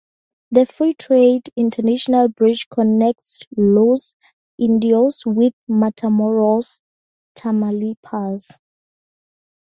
The Free Trade International Bridge connects Los Indios with Matamoros, Tamaulipas.